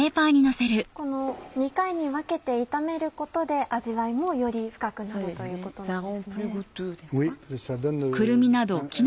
２回に分けて炒めることで味わいもより深くということなんですね。